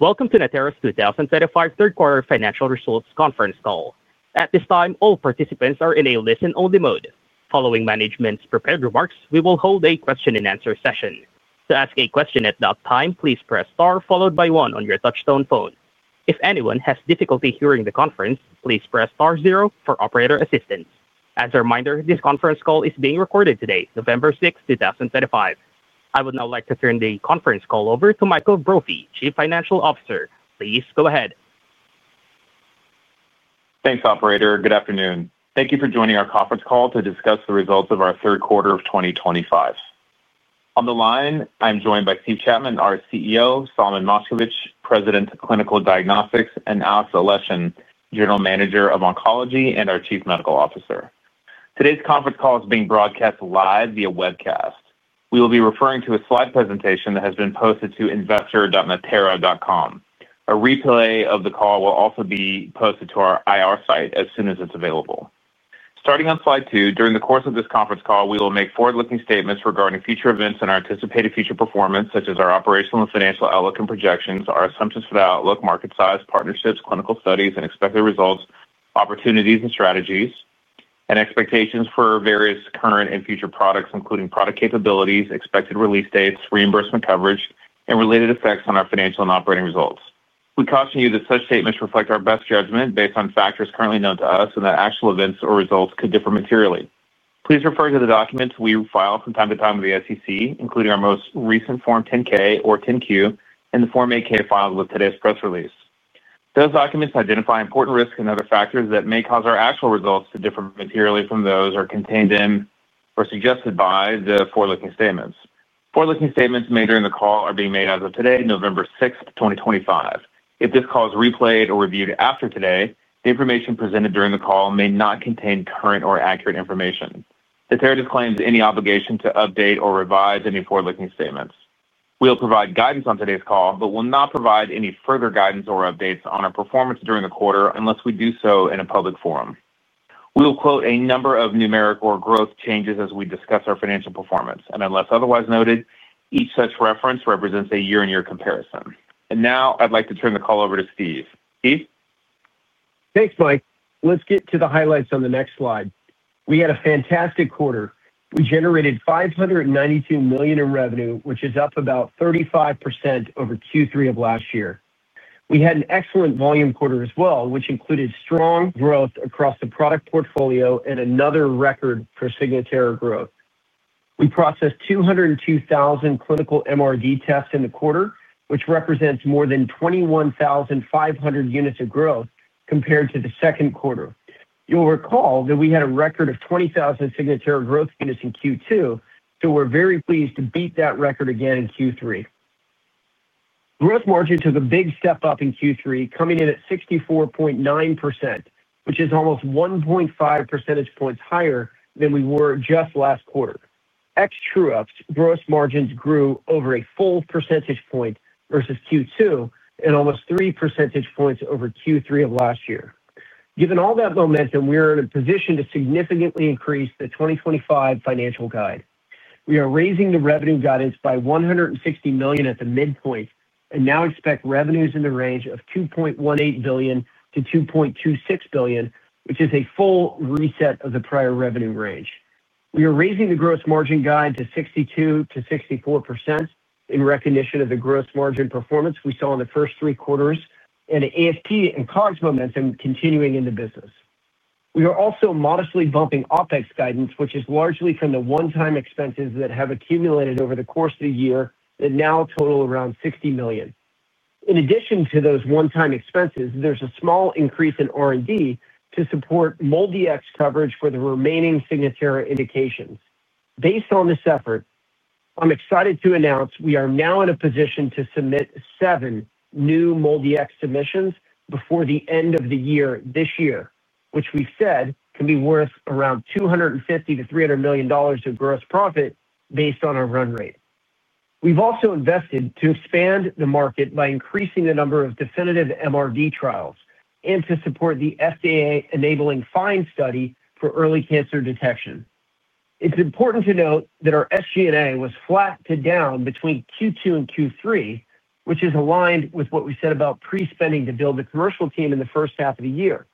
Welcome to Natera's 2025 Third Quarter Financial Results Conference Call. At this time, all participants are in a listen-only mode. Following management's prepared remarks, we will hold a question-and-answer session. To ask a question at that time, please press star followed by one on your touchstone phone. If anyone has difficulty hearing the conference, please press star zero for operator assistance. As a reminder, this conference call is being recorded today, November 6, 2025. I would now like to turn the conference call over to Michael Brophy, Chief Financial Officer. Please go ahead. Thanks, Operator. Good afternoon. Thank you for joining our conference call to discuss the results of our third quarter of 2025. On the line, I'm joined by Steve Chapman, our CEO, Solomon Moshkevich, President of Clinical Diagnostics, and Alex Aleshin, General Manager of Oncology and our Chief Medical Officer. Today's conference call is being broadcast live via webcast. We will be referring to a slide presentation that has been posted to investor.natera.com. A replay of the call will also be posted to our IR site as soon as it's available. Starting on slide two, during the course of this conference call, we will make forward-looking statements regarding future events and our anticipated future performance, such as our operational and financial outlook and projections, our assumptions for the outlook, market size, partnerships, clinical studies, and expected results, opportunities and strategies, and expectations for various current and future products, including product capabilities, expected release dates, reimbursement coverage, and related effects on our financial and operating results. We caution you that such statements reflect our best judgment based on factors currently known to us and that actual events or results could differ materially. Please refer to the documents we file from time to time with the SEC, including our most recent Form 10-K or 10-Q and the Form 8-K filed with today's press release. Those documents identify important risks and other factors that may cause our actual results to differ materially from those contained in or suggested by the forward-looking statements. Forward-looking statements made during the call are being made as of today, November 6, 2025. If this call is replayed or reviewed after today, the information presented during the call may not contain current or accurate information. Natera disclaims any obligation to update or revise any forward-looking statements. We will provide guidance on today's call but will not provide any further guidance or updates on our performance during the quarter unless we do so in a public forum. We will quote a number of numeric or growth changes as we discuss our financial performance, and unless otherwise noted, each such reference represents a year-on-year comparison. Now I'd like to turn the call over to Steve. Steve? Thanks, Mike. Let's get to the highlights on the next slide. We had a fantastic quarter. We generated $592 million in revenue, which is up about 35% over Q3 of last year. We had an excellent volume quarter as well, which included strong growth across the product portfolio and another record for Signatera growth. We processed 202,000 clinical MRD tests in the quarter, which represents more than 21,500 units of growth compared to the second quarter. You'll recall that we had a record of 20,000 Signatera growth units in Q2, so we're very pleased to beat that record again in Q3. Gross margins took a big step up in Q3, coming in at 64.9%, which is almost 1.5 percentage points higher than we were just last quarter. Ex true-ups, gross margins grew over a full percentage point versus Q2 and almost 3 percentage points over Q3 of last year. Given all that momentum, we are in a position to significantly increase the 2025 financial guide. We are raising the revenue guidance by $160 million at the midpoint and now expect revenues in the range of $2.18 billion-$2.26 billion, which is a full reset of the prior revenue range. We are raising the gross margin guide to 62%-64% in recognition of the gross margin performance we saw in the first three quarters and ASP and COGS momentum continuing in the business. We are also modestly bumping OPEX guidance, which is largely from the one-time expenses that have accumulated over the course of the year that now total around $60 million. In addition to those one-time expenses, there's a small increase in R&D to support MolDX coverage for the remaining Signatera indications. Based on this effort, I'm excited to announce we are now in a position to submit seven new MolDX submissions before the end of the year this year, which we've said can be worth around $250 million-$300 million in gross profit based on our run rate. We've also invested to expand the market by increasing the number of definitive MRD trials and to support the FDA-enabling FIND study for early cancer detection. It's important to note that our SG&A was flat to down between Q2 and Q3, which is aligned with what we said about pre-spending to build the commercial team in the first half of the year.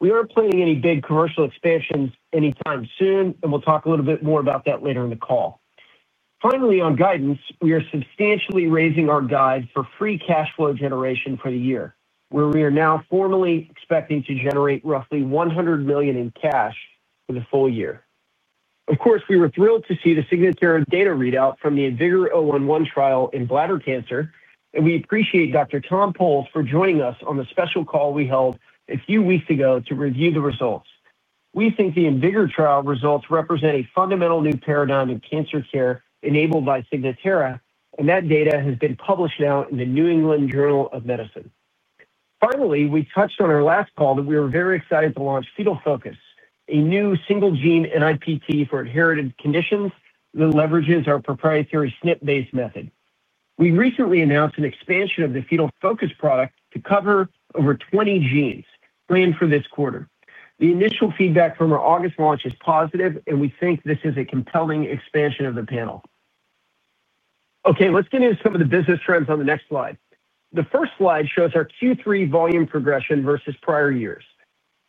We aren't planning any big commercial expansions anytime soon, and we'll talk a little bit more about that later in the call. Finally, on guidance, we are substantially raising our guide for free cash flow generation for the year, where we are now formally expecting to generate roughly $100 million in cash for the full year. Of course, we were thrilled to see the Signatera data readout from the IMvigor011 trial in bladder cancer, and we appreciate Dr. Tom Powles for joining us on the special call we held a few weeks ago to review the results. We think the IMvigor trial results represent a fundamental new paradigm in cancer care enabled by Signatera, and that data has been published now in the New England Journal of Medicine. Finally, we touched on our last call that we were very excited to launch Fetal Focus, a new single-gene NIPT for inherited conditions that leverages our proprietary SNP-based method. We recently announced an expansion of the Fetal Focus product to cover over 20 genes planned for this quarter. The initial feedback from our August launch is positive, and we think this is a compelling expansion of the panel. Okay, let's get into some of the business trends on the next slide. The first slide shows our Q3 volume progression versus prior years.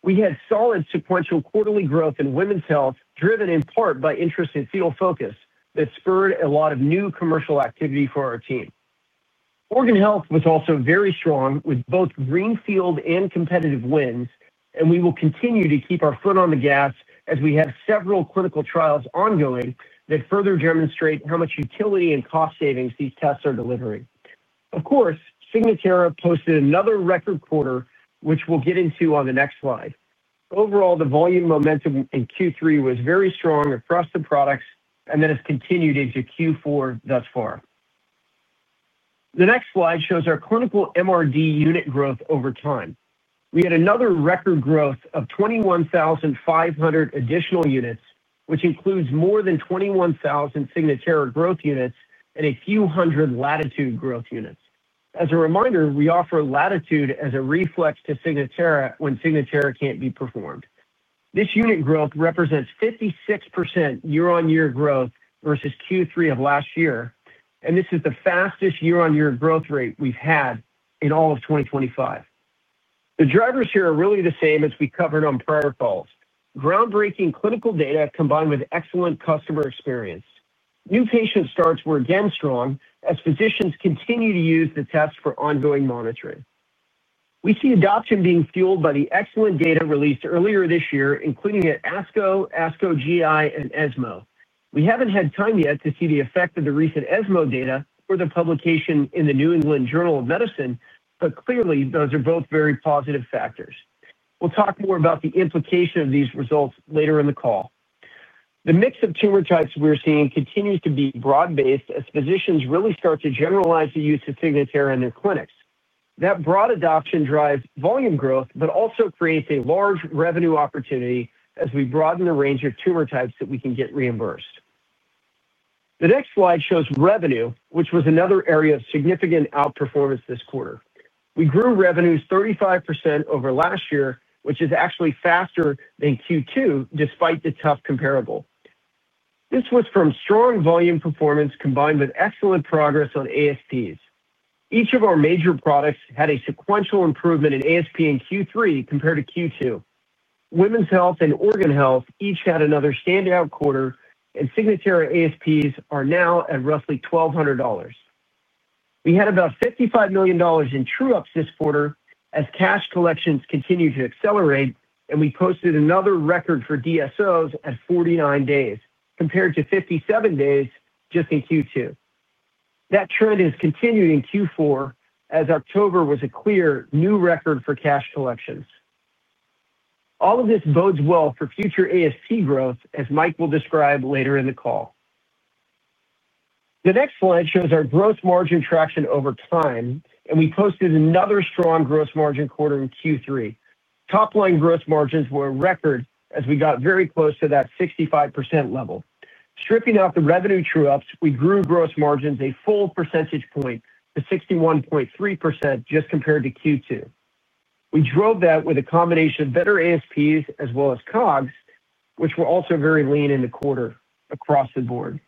We had solid sequential quarterly growth in women's health driven in part by interest in Fetal Focus that spurred a lot of new commercial activity for our team. Organ health was also very strong with both greenfield and competitive wins, and we will continue to keep our foot on the gas as we have several clinical trials ongoing that further demonstrate how much utility and cost savings these tests are delivering. Of course, Signatera posted another record quarter, which we'll get into on the next slide. Overall, the volume momentum in Q3 was very strong across the products and then has continued into Q4 thus far. The next slide shows our clinical MRD unit growth over time. We had another record growth of 21,500 additional units, which includes more than 21,000 Signatera growth units and a few hundred Latitude growth units. As a reminder, we offer Latitude as a reflex to Signatera when Signatera can't be performed. This unit growth represents 56% year-on-year growth versus Q3 of last year, and this is the fastest year-on-year growth rate we've had in all of 2025. The drivers here are really the same as we covered on prior calls: groundbreaking clinical data combined with excellent customer experience. New patient starts were again strong as physicians continue to use the tests for ongoing monitoring. We see adoption being fueled by the excellent data released earlier this year, including at ASCO, ASCO GI, and ESMO. We haven't had time yet to see the effect of the recent ESMO data or the publication in the New England Journal of Medicine, but clearly those are both very positive factors. We'll talk more about the implication of these results later in the call. The mix of tumor types we're seeing continues to be broad-based as physicians really start to generalize the use of Signatera in their clinics. That broad adoption drives volume growth but also creates a large revenue opportunity as we broaden the range of tumor types that we can get reimbursed. The next slide shows revenue, which was another area of significant outperformance this quarter. We grew revenues 35% over last year, which is actually faster than Q2 despite the tough comparable. This was from strong volume performance combined with excellent progress on ASPs. Each of our major products had a sequential improvement in ASP in Q3 compared to Q2. Women's health and organ health each had another standout quarter, and Signatera ASPs are now at roughly $1,200. We had about $55 million in true ups this quarter as cash collections continue to accelerate, and we posted another record for DSOs at 49 days compared to 57 days just in Q2. That trend has continued in Q4 as October was a clear new record for cash collections. All of this bodes well for future ASP growth, as Mike will describe later in the call. The next slide shows our gross margin traction over time, and we posted another strong gross margin quarter in Q3. Top-line gross margins were a record as we got very close to that 65% level. Stripping out the revenue true ups, we grew gross margins a full percentage point to 61.3% just compared to Q2. We drove that with a combination of better ASPs as well as COGS, which were also very lean in the quarter across the board.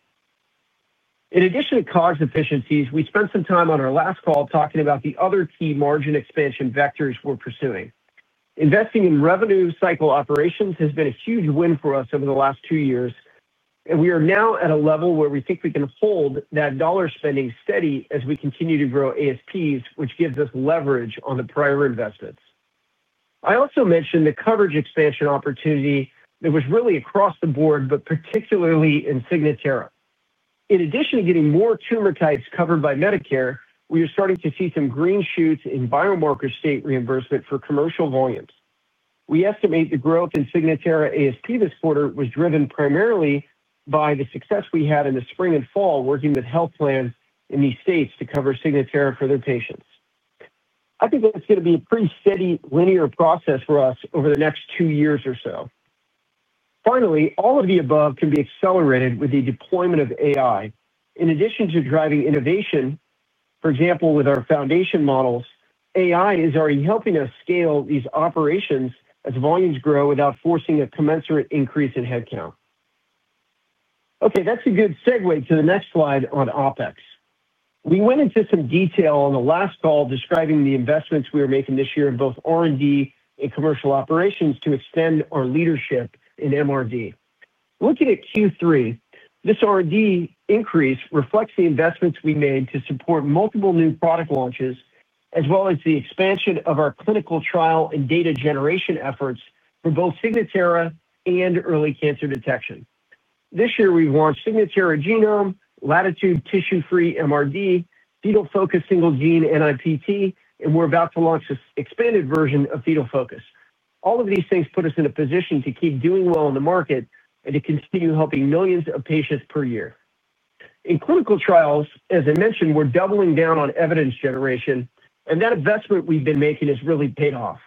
In addition to COGS efficiencies, we spent some time on our last call talking about the other key margin expansion vectors we're pursuing. Investing in revenue cycle operations has been a huge win for us over the last two years, and we are now at a level where we think we can hold that dollar spending steady as we continue to grow ASPs, which gives us leverage on the prior investments. I also mentioned the coverage expansion opportunity that was really across the board but particularly in Signatera. In addition to getting more tumor types covered by Medicare, we are starting to see some green shoots in biomarker state reimbursement for commercial volumes. We estimate the growth in Signatera ASP this quarter was driven primarily by the success we had in the spring and fall working with health plans in these states to cover Signatera for their patients. I think that's going to be a pretty steady linear process for us over the next two years or so. Finally, all of the above can be accelerated with the deployment of AI. In addition to driving innovation, for example, with our foundation models, AI is already helping us scale these operations as volumes grow without forcing a commensurate increase in headcount. Okay, that's a good segue to the next slide on OPEX. We went into some detail on the last call describing the investments we are making this year in both R&D and commercial operations to extend our leadership in MRD. Looking at Q3, this R&D increase reflects the investments we made to support multiple new product launches as well as the expansion of our clinical trial and data generation efforts for both Signatera and early cancer detection. This year, we've launched Signatera Genome, Latitude Tissue-Free MRD, Fetal Focus single-gene NIPT, and we're about to launch an expanded version of Fetal Focus. All of these things put us in a position to keep doing well in the market and to continue helping millions of patients per year. In clinical trials, as I mentioned, we're doubling down on evidence generation, and that investment we've been making has really paid off.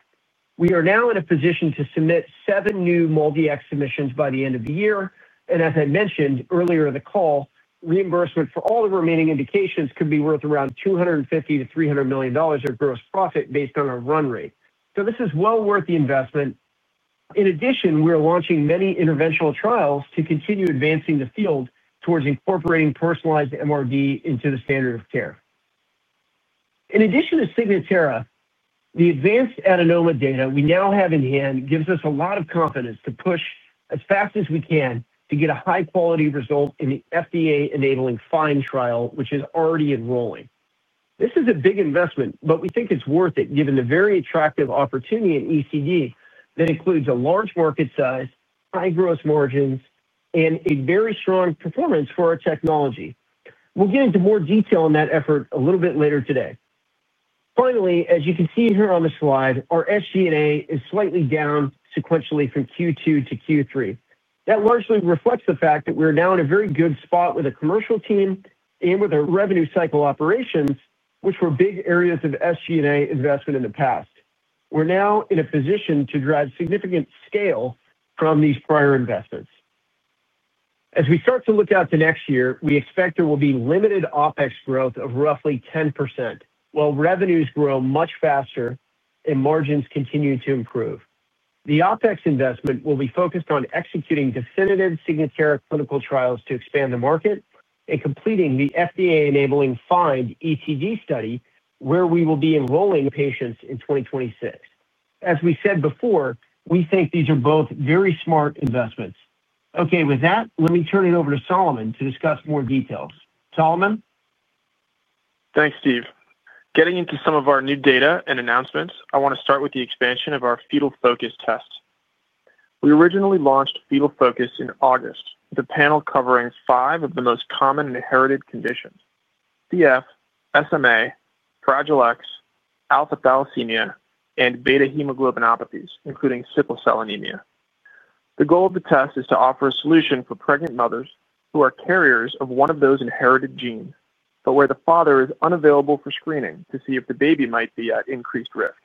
We are now in a position to submit seven new MolDX submissions by the end of the year, and as I mentioned earlier in the call, reimbursement for all the remaining indications could be worth around $250 million-$300 million of gross profit based on our run rate. This is well worth the investment. In addition, we are launching many interventional trials to continue advancing the field towards incorporating personalized MRD into the standard of care. In addition to Signatera, the advanced adenoma data we now have in hand gives us a lot of confidence to push as fast as we can to get a high-quality result in the FDA-enabling FIND trial, which is already enrolling. This is a big investment, but we think it's worth it given the very attractive opportunity in ECD that includes a large market size, high gross margins, and a very strong performance for our technology. We'll get into more detail on that effort a little bit later today. Finally, as you can see here on the slide, our SG&A is slightly down sequentially from Q2 to Q3. That largely reflects the fact that we're now in a very good spot with a commercial team and with our revenue cycle operations, which were big areas of SG&A investment in the past. We're now in a position to drive significant scale from these prior investments. As we start to look out to next year, we expect there will be limited OPEX growth of roughly 10% while revenues grow much faster and margins continue to improve. The OPEX investment will be focused on executing definitive Signatera clinical trials to expand the market and completing the FDA-enabling FIND ECD study where we will be enrolling patients in 2026. As we said before, we think these are both very smart investments. Okay, with that, let me turn it over to Solomon to discuss more details. Solomon. Thanks, Steve. Getting into some of our new data and announcements, I want to start with the expansion of our Fetal Focus test. We originally launched Fetal Focus in August with a panel covering five of the most common inherited conditions: CF, SMA, fragile X, alpha-thalassemia, and beta hemoglobinopathies, including sickle cell anemia. The goal of the test is to offer a solution for pregnant mothers who are carriers of one of those inherited genes, but where the father is unavailable for screening to see if the baby might be at increased risk.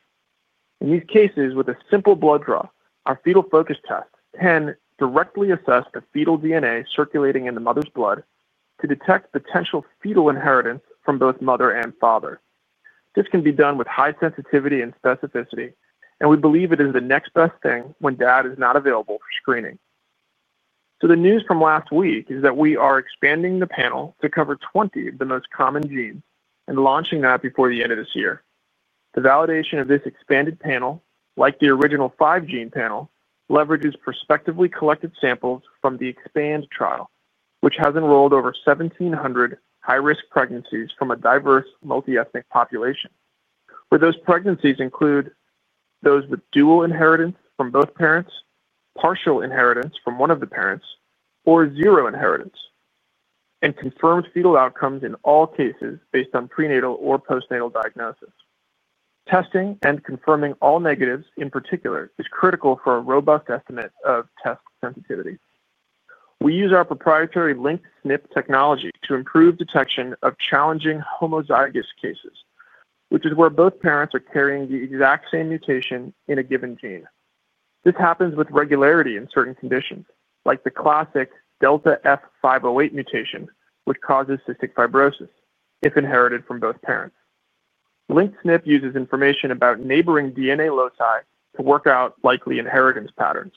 In these cases, with a simple blood draw, our Fetal Focus test can directly assess the fetal DNA circulating in the mother's blood to detect potential fetal inheritance from both mother and father. This can be done with high sensitivity and specificity, and we believe it is the next best thing when dad is not available for screening. The news from last week is that we are expanding the panel to cover 20 of the most common genes and launching that before the end of this year. The validation of this expanded panel, like the original five-gene panel, leverages prospectively collected samples from the EXPAND trial, which has enrolled over 1,700 high-risk pregnancies from a diverse multiethnic population. Those pregnancies include those with dual inheritance from both parents, partial inheritance from one of the parents, or zero inheritance. Confirmed fetal outcomes in all cases are based on prenatal or postnatal diagnosis. Testing and confirming all negatives in particular is critical for a robust estimate of test sensitivity. We use our proprietary linked SNP technology to improve detection of challenging homozygous cases, which is where both parents are carrying the exact same mutation in a given gene. This happens with regularity in certain conditions, like the classic Delta F508 mutation, which causes cystic fibrosis if inherited from both parents. Linked SNP uses information about neighboring DNA loci to work out likely inheritance patterns.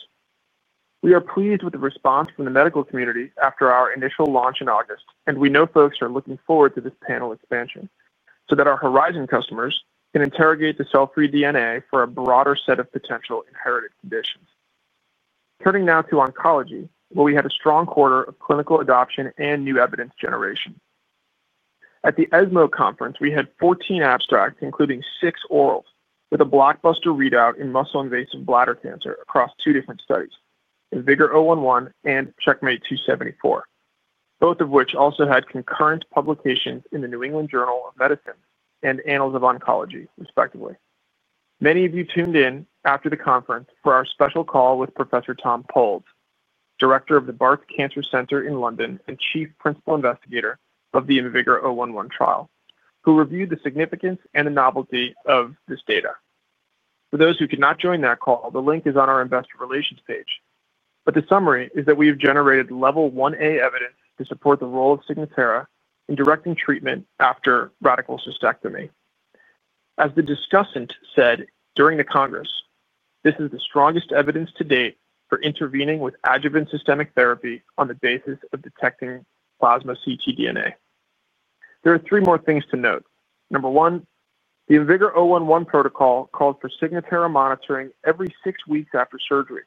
We are pleased with the response from the medical community after our initial launch in August, and we know folks are looking forward to this panel expansion so that our Horizon customers can interrogate the cell-free DNA for a broader set of potential inherited conditions. Turning now to oncology, where we had a strong quarter of clinical adoption and new evidence generation. At the ESMO conference, we had 14 abstracts, including six orals, with a blockbuster readout in muscle-invasive bladder cancer across two different studies: IMvigor011 and CheckMate 274, both of which also had concurrent publications in the New England Journal of Medicine and Annals of Oncology, respectively. Many of you tuned in after the conference for our special call with Professor Tom Powles, Director of the Barts Cancer Centre in London and Chief Principal Investigator of the IMvigor011 trial, who reviewed the significance and the novelty of this data. For those who could not join that call, the link is on our investor relations page. The summary is that we have generated level 1A evidence to support the role of Signatera in directing treatment after radical cystectomy. As the discussant said during the Congress, this is the strongest evidence to date for intervening with adjuvant systemic therapy on the basis of detecting plasma ctDNA. There are three more things to note. Number one, the IMvigor011 protocol called for Signatera monitoring every six weeks after surgery.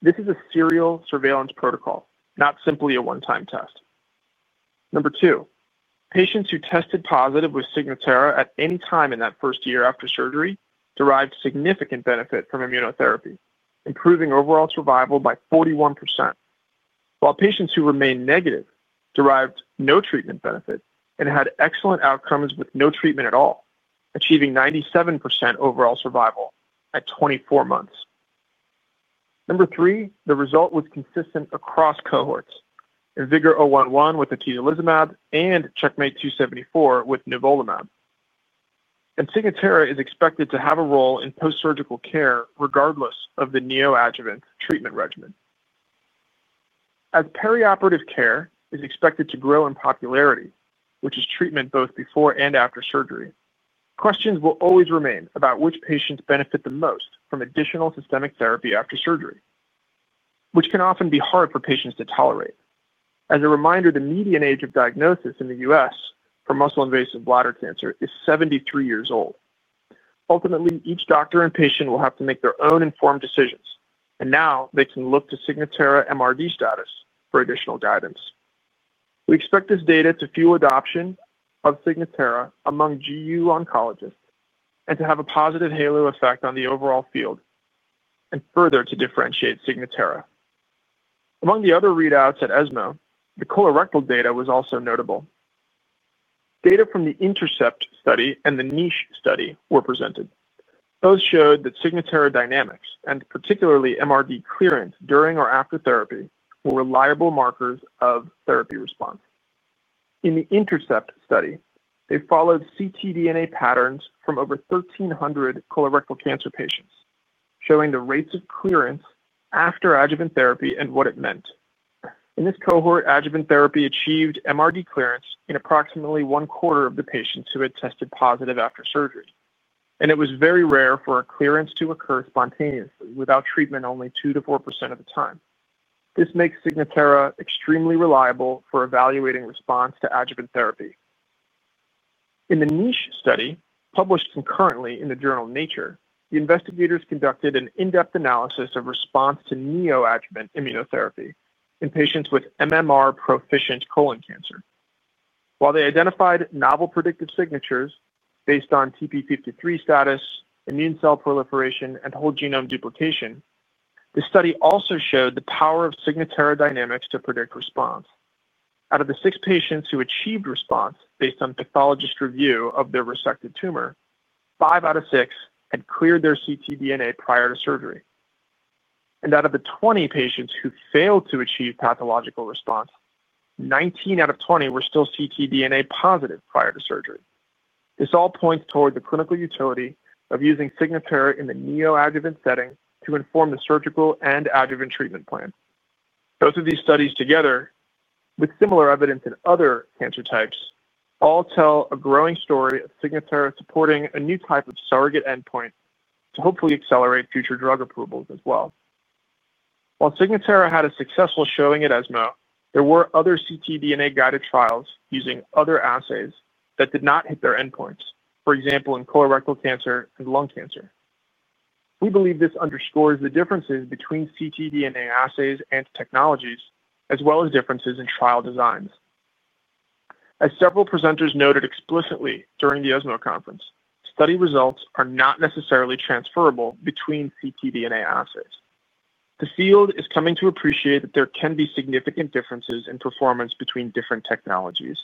This is a serial surveillance protocol, not simply a one-time test. Number two, patients who tested positive with Signatera at any time in that first year after surgery derived significant benefit from immunotherapy, improving overall survival by 41%. While patients who remained negative derived no treatment benefit and had excellent outcomes with no treatment at all, achieving 97% overall survival at 24 months. Number three, the result was consistent across cohorts: IMvigor011 with atezolizumab and CheckMate 274 with nivolumab. Signatera is expected to have a role in postsurgical care regardless of the neoadjuvant treatment regimen. As perioperative care is expected to grow in popularity, which is treatment both before and after surgery, questions will always remain about which patients benefit the most from additional systemic therapy after surgery, which can often be hard for patients to tolerate. As a reminder, the median age of diagnosis in the U.S. for muscle-invasive bladder cancer is 73 years old. Ultimately, each doctor and patient will have to make their own informed decisions, and now they can look to Signatera MRD status for additional guidance. We expect this data to fuel adoption of Signatera among GU oncologists and to have a positive halo effect on the overall field. Further, to differentiate Signatera. Among the other readouts at ESMO, the colorectal data was also notable. Data from the INTERCEPT study and the NICHE study were presented. Those showed that Signatera dynamics and particularly MRD clearance during or after therapy were reliable markers of therapy response. In the INTERCEPT study, they followed ctDNA patterns from over 1,300 colorectal cancer patients, showing the rates of clearance after adjuvant therapy and what it meant. In this cohort, adjuvant therapy achieved MRD clearance in approximately one quarter of the patients who had tested positive after surgery, and it was very rare for a clearance to occur spontaneously without treatment, only 2%-4% of the time. This makes Signatera extremely reliable for evaluating response to adjuvant therapy. In the NICHE study, published concurrently in the journal Nature, the investigators conducted an in-depth analysis of response to neoadjuvant immunotherapy in patients with MMR-proficient colon cancer. While they identified novel predictive signatures based on TP53 status, immune cell proliferation, and whole genome duplication, the study also showed the power of Signatera dynamics to predict response. Out of the six patients who achieved response based on pathologist review of their resected tumor, five out of six had cleared their ctDNA prior to surgery. Out of the 20 patients who failed to achieve pathological response, 19 out of 20 were still ctDNA positive prior to surgery. This all points toward the clinical utility of using Signatera in the neoadjuvant setting to inform the surgical and adjuvant treatment plan. Both of these studies together, with similar evidence in other cancer types, all tell a growing story of Signatera supporting a new type of surrogate endpoint to hopefully accelerate future drug approvals as well. While Signatera had a successful showing at ESMO, there were other ctDNA-guided trials using other assays that did not hit their endpoints, for example, in colorectal cancer and lung cancer. We believe this underscores the differences between ctDNA assays and technologies, as well as differences in trial designs. As several presenters noted explicitly during the ESMO conference, study results are not necessarily transferable between ctDNA assays. The field is coming to appreciate that there can be significant differences in performance between different technologies.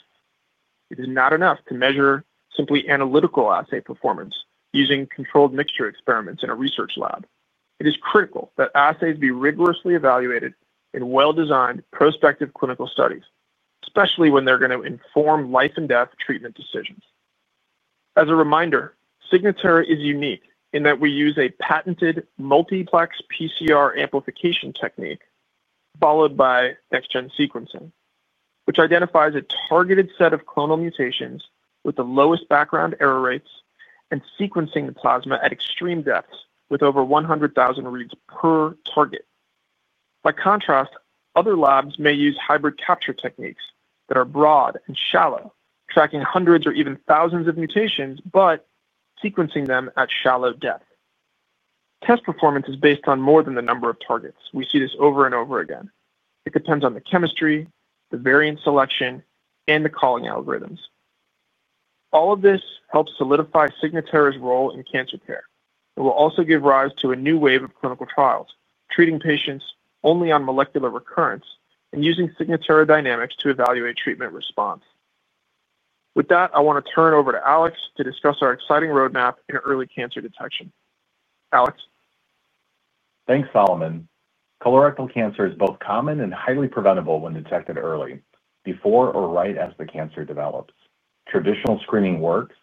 It is not enough to measure simply analytical assay performance using controlled mixture experiments in a research lab. It is critical that assays be rigorously evaluated in well-designed prospective clinical studies, especially when they're going to inform life-and-death treatment decisions. As a reminder, Signatera is unique in that we use a patented multiplex PCR amplification technique followed by next-gen sequencing, which identifies a targeted set of clonal mutations with the lowest background error rates and sequencing the plasma at extreme depths with over 100,000 reads per target. By contrast, other labs may use hybrid capture techniques that are broad and shallow, tracking hundreds or even thousands of mutations, but sequencing them at shallow depth. Test performance is based on more than the number of targets. We see this over and over again. It depends on the chemistry, the variant selection, and the calling algorithms. All of this helps solidify Signatera's role in cancer care. It will also give rise to a new wave of clinical trials treating patients only on molecular recurrence and using Signatera dynamics to evaluate treatment response. With that, I want to turn it over to Alex to discuss our exciting roadmap in early cancer detection. Alex. Thanks, Solomon. Colorectal cancer is both common and highly preventable when detected early, before or right as the cancer develops. Traditional screening works,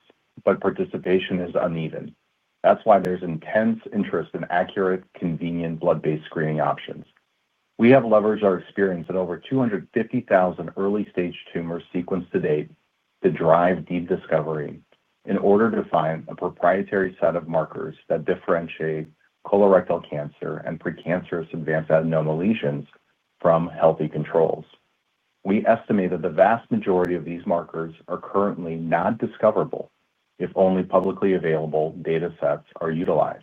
but participation is uneven. That's why there's intense interest in accurate, convenient blood-based screening options. We have leveraged our experience at over 250,000 early-stage tumors sequenced to date to drive deep discovery in order to find a proprietary set of markers that differentiate colorectal cancer and precancerous advanced adenoma lesions from healthy controls. We estimate that the vast majority of these markers are currently not discoverable if only publicly available data sets are utilized.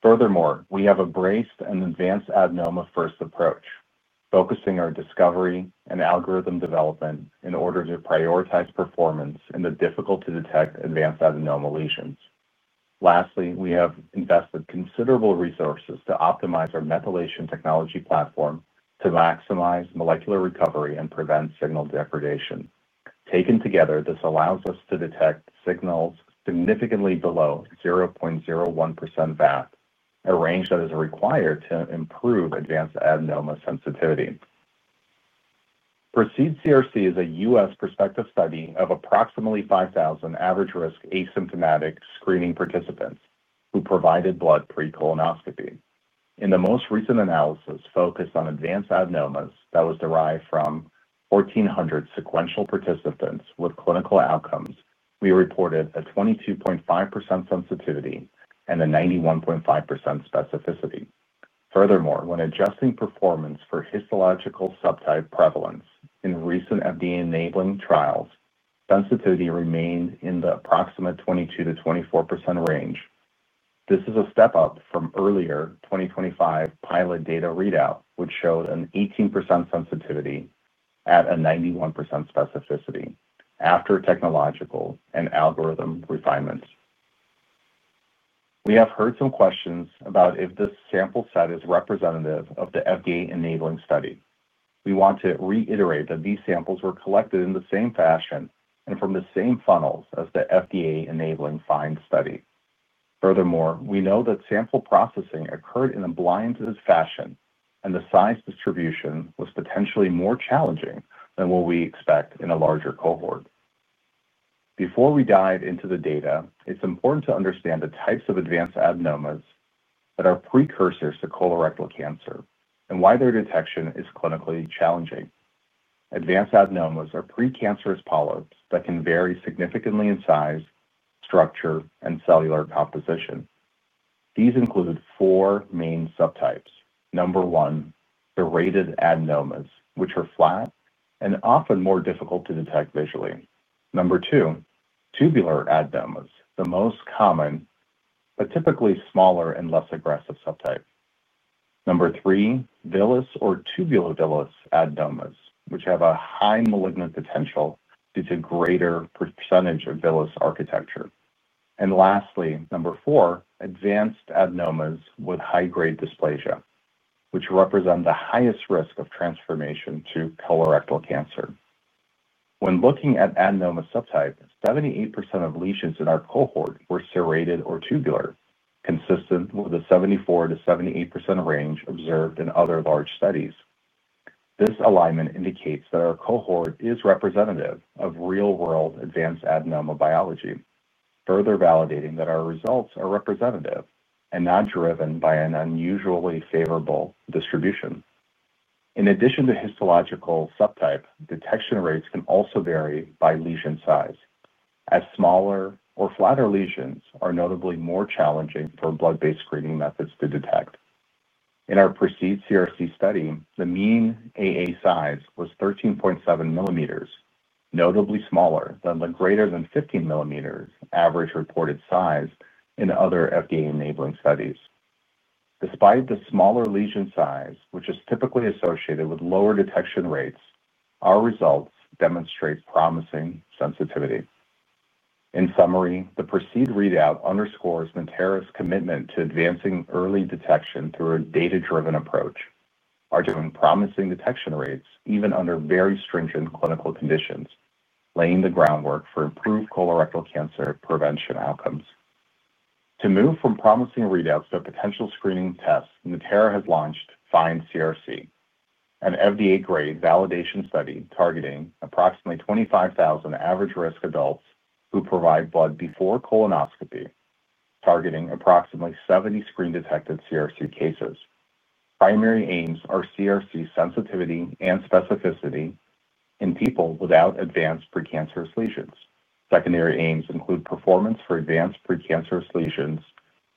Furthermore, we have embraced an advanced adenoma-first approach, focusing our discovery and algorithm development in order to prioritize performance in the difficult-to-detect advanced adenoma lesions. Lastly, we have invested considerable resources to optimize our methylation technology platform to maximize molecular recovery and prevent signal degradation. Taken together, this allows us to detect signals significantly below 0.01% VAF, a range that is required to improve advanced adenoma sensitivity. PROCEED-CRC is a U.S. prospective study of approximately 5,000 average-risk asymptomatic screening participants who provided blood pre-colonoscopy. In the most recent analysis focused on advanced adenomas that was derived from 1,400 sequential participants with clinical outcomes, we reported a 22.5% sensitivity and a 91.5% specificity. Furthermore, when adjusting performance for histological subtype prevalence in recent FDA-enabling trials, sensitivity remained in the approximate 22%-24% range. This is a step up from earlier 2025 pilot data readout, which showed an 18% sensitivity at a 91% specificity after technological and algorithm refinements. We have heard some questions about if this sample set is representative of the FDA-enabling study. We want to reiterate that these samples were collected in the same fashion and from the same funnels as the FDA-enabling FIND study. Furthermore, we know that sample processing occurred in a blinded fashion, and the size distribution was potentially more challenging than what we expect in a larger cohort. Before we dive into the data, it's important to understand the types of advanced adenomas that are precursors to colorectal cancer and why their detection is clinically challenging. Advanced adenomas are precancerous polyps that can vary significantly in size, structure, and cellular composition. These include four main subtypes. Number one, serrated adenomas, which are flat and often more difficult to detect visually. Number two, tubular adenomas, the most common, but typically smaller and less aggressive subtype. Number three, villous or tubulovillous adenomas, which have a high malignant potential due to greater percentage of villous architecture. Lastly, number four, advanced adenomas with high-grade dysplasia, which represent the highest risk of transformation to colorectal cancer. When looking at adenoma subtypes, 78% of lesions in our cohort were serrated or tubular, consistent with the 74%-78% range observed in other large studies. This alignment indicates that our cohort is representative of real-world advanced adenoma biology, further validating that our results are representative and not driven by an unusually favorable distribution. In addition to histological subtype, detection rates can also vary by lesion size, as smaller or flatter lesions are notably more challenging for blood-based screening methods to detect. In our PROCEED-CRC study, the mean AA size was 13.7 millimeters, notably smaller than the greater-than-15-millimeter average reported size in other FDA-enabling studies. Despite the smaller lesion size, which is typically associated with lower detection rates, our results demonstrate promising sensitivity. In summary, the PROCEED readout underscores Natera's commitment to advancing early detection through a data-driven approach, arguing promising detection rates even under very stringent clinical conditions, laying the groundwork for improved colorectal cancer prevention outcomes. To move from promising readouts to potential screening tests, Natera has launched FIND-CRC, an FDA-grade validation study targeting approximately 25,000 average-risk adults who provide blood before colonoscopy, targeting approximately 70 screen-detected CRC cases. Primary aims are CRC sensitivity and specificity in people without advanced precancerous lesions. Secondary aims include performance for advanced precancerous lesions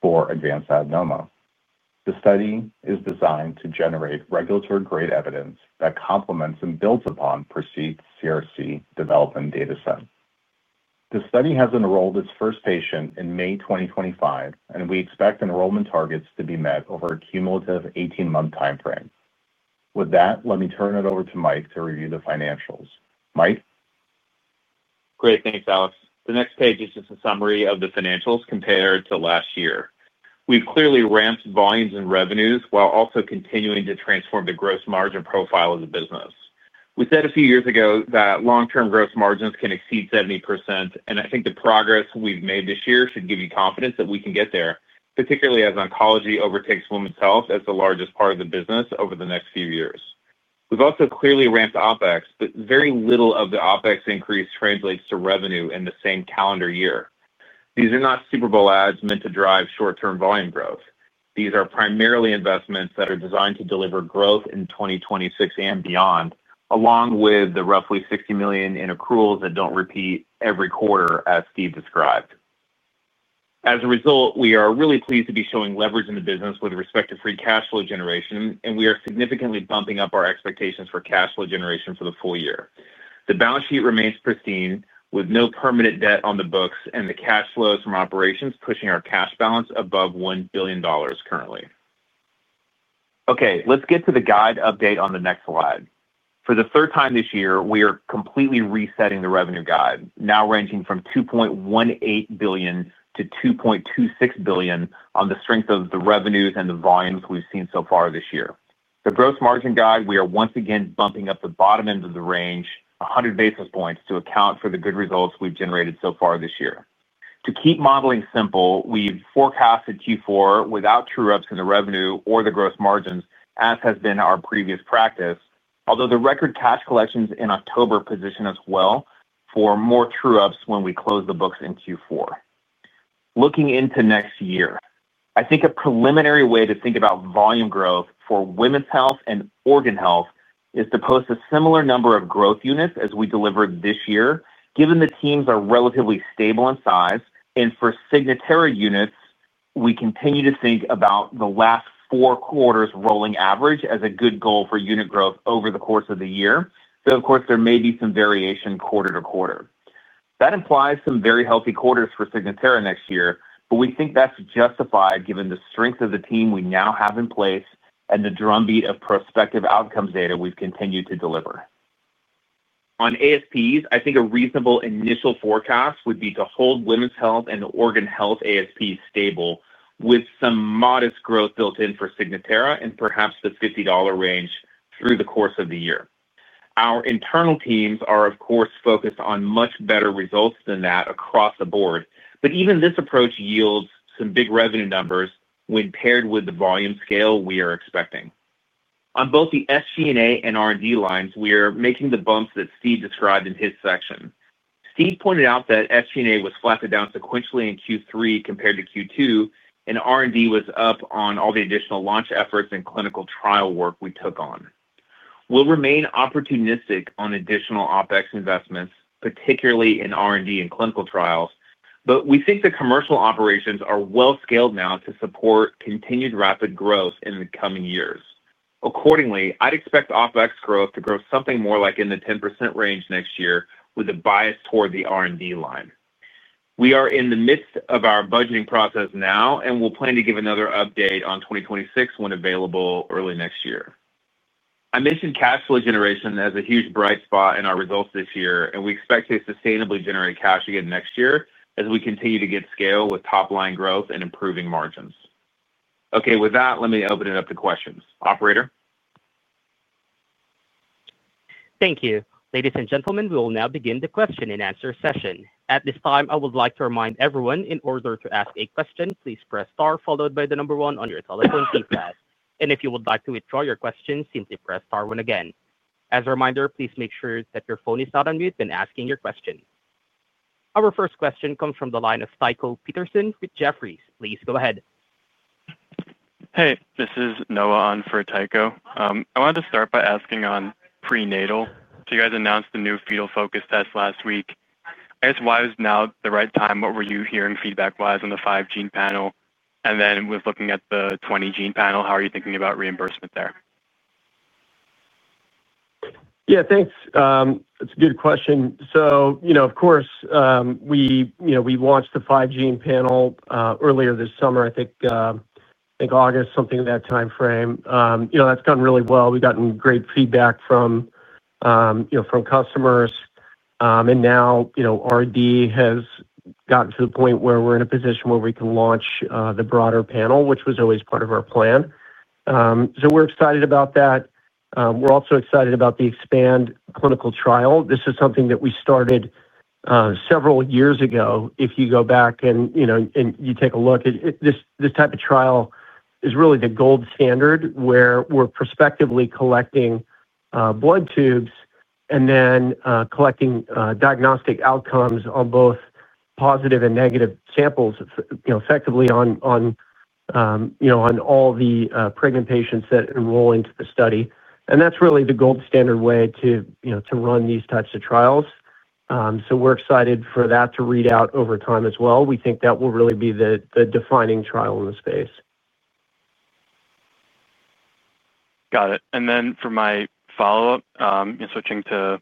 for advanced adenoma. The study is designed to generate regulatory-grade evidence that complements and builds upon PROCEED-CRC development data set. The study has enrolled its first patient in May 2025, and we expect enrollment targets to be met over a cumulative 18-month timeframe. With that, let me turn it over to Mike to review the financials. Mike. Great. Thanks, Alex. The next page is just a summary of the financials compared to last year. We've clearly ramped volumes and revenues while also continuing to transform the gross margin profile of the business. We said a few years ago that long-term gross margins can exceed 70%, and I think the progress we've made this year should give you confidence that we can get there, particularly as oncology overtakes women's health as the largest part of the business over the next few years. We've also clearly ramped OPEX, but very little of the OPEX increase translates to revenue in the same calendar year. These are not Super Bowl ads meant to drive short-term volume growth. These are primarily investments that are designed to deliver growth in 2026 and beyond, along with the roughly $60 million in accruals that don't repeat every quarter, as Steve described. As a result, we are really pleased to be showing leverage in the business with respect to free cash flow generation, and we are significantly bumping up our expectations for cash flow generation for the full year. The balance sheet remains pristine, with no permanent debt on the books, and the cash flows from operations pushing our cash balance above $1 billion currently. Okay. Let's get to the guide update on the next slide. For the third time this year, we are completely resetting the revenue guide, now ranging from $2.18 billion-$2.26 billion on the strength of the revenues and the volumes we've seen so far this year. The gross margin guide, we are once again bumping up the bottom end of the range, 100 basis points, to account for the good results we've generated so far this year. To keep modeling simple, we've forecasted Q4 without true-ups in the revenue or the gross margins, as has been our previous practice, although the record cash collections in October positioned us well for more true-ups when we close the books in Q4. Looking into next year, I think a preliminary way to think about volume growth for women's health and organ health is to post a similar number of growth units as we delivered this year, given the teams are relatively stable in size. For Signatera units, we continue to think about the last four quarters rolling average as a good goal for unit growth over the course of the year. Though, of course, there may be some variation quarter-to-quarter. That implies some very healthy quarters for Signatera next year, but we think that's justified given the strength of the team we now have in place and the drumbeat of prospective outcomes data we've continued to deliver. On ASPs, I think a reasonable initial forecast would be to hold women's health and organ health ASPs stable with some modest growth built in for Signatera and perhaps the $50 range through the course of the year. Our internal teams are, of course, focused on much better results than that across the board, but even this approach yields some big revenue numbers when paired with the volume scale we are expecting. On both the SG&A and R&D lines, we are making the bumps that Steve described in his section. Steve pointed out that SG&A was flattened down sequentially in Q3 compared to Q2, and R&D was up on all the additional launch efforts and clinical trial work we took on. We'll remain opportunistic on additional OPEX investments, particularly in R&D and clinical trials, but we think the commercial operations are well scaled now to support continued rapid growth in the coming years. Accordingly, I'd expect OPEX growth to grow something more like in the 10% range next year with a bias toward the R&D line. We are in the midst of our budgeting process now, and we'll plan to give another update on 2026 when available early next year. I mentioned cash flow generation as a huge bright spot in our results this year, and we expect to sustainably generate cash again next year as we continue to get scale with top-line growth and improving margins. Okay. With that, let me open it up to questions. Operator. Thank you. Ladies and gentlemen, we will now begin the question and answer session. At this time, I would like to remind everyone in order to ask a question, please press star followed by the number one on your telephone keypad. If you would like to withdraw your question, simply press star one again. As a reminder, please make sure that your phone is not on mute when asking your question. Our first question comes from the line of Tycho Peterson with Jefferies. Please go ahead. Hey. This is Noah on for Tycho. I wanted to start by asking on prenatal. You guys announced the new Fetal Focus test last week. I guess, why is now the right time? What were you hearing feedback-wise on the five-gene panel? With looking at the 20-gene panel, how are you thinking about reimbursement there? Yeah. Thanks. It's a good question. Of course. We launched the five-gene panel earlier this summer, I think. August, something in that timeframe. That's gone really well. We've gotten great feedback from customers. Now R&D has gotten to the point where we're in a position where we can launch the broader panel, which was always part of our plan. We're excited about that. We're also excited about the EXPAND clinical trial. This is something that we started several years ago. If you go back and you take a look, this type of trial is really the gold standard where we're prospectively collecting blood tubes and then collecting diagnostic outcomes on both positive and negative samples effectively on all the pregnant patients that enroll into the study. That's really the gold standard way to run these types of trials. We are excited for that to read out over time as well. We think that will really be the defining trial in the space. Got it. For my follow-up, switching to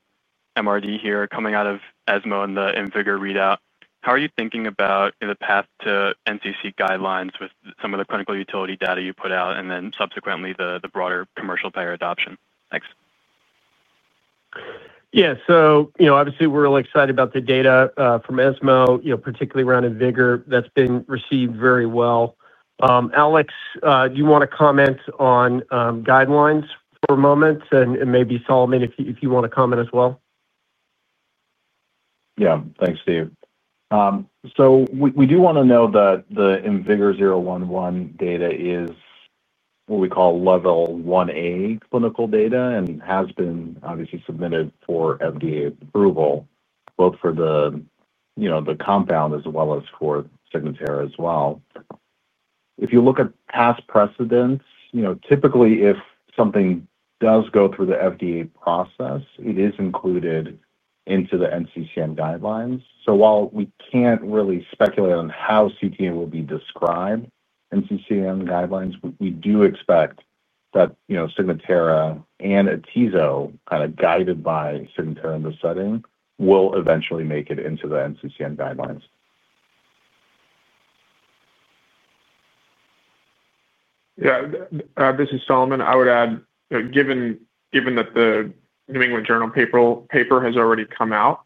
MRD here, coming out of ESMO and the IMvigor readout, how are you thinking about the path to NCC guidelines with some of the clinical utility data you put out and then subsequently the broader commercial payer adoption? Thanks. Yeah. Obviously, we are really excited about the data from ESMO, particularly around IMvigor. That has been received very well. Alex, do you want to comment on guidelines for a moment? Maybe Solomon, if you want to comment as well. Yeah. Thanks, Steve. We do want to note that the IMvigor011 data is. What we call level 1A clinical data and has been obviously submitted for FDA approval, both for the compound as well as for Signatera as well. If you look at past precedents, typically, if something does go through the FDA process, it is included into the NCCN guidelines. So while we can't really speculate on how CTA will be described in NCCN guidelines, we do expect that Signatera and atezo, kind of guided by Signatera in this setting, will eventually make it into the NCCN guidelines. Yeah. This is Solomon. I would add, given that the New England Journal paper has already come out.